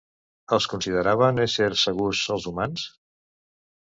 Els consideraven éssers segurs els humans?